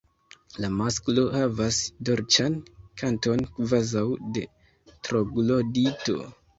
La masklo havas dolĉan kanton kvazaŭ de Troglodito.